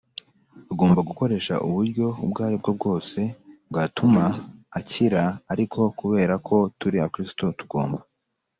agomba gukoresha uburyo ubwo ari bwo bwose bwatuma akira Ariko kubera ko turi Abakristo tugomba